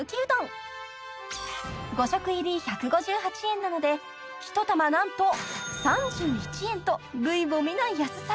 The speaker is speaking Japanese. ［５食入り１５８円なので１玉何と３１円と類を見ない安さ］